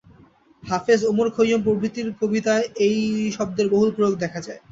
হাফেজ, Omar Khayyam প্রভৃতির কবিতায় এই শব্দের বহুল প্রয়োগ দেখা যায়।